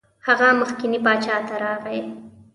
هغه مخکني باچا ته راغی.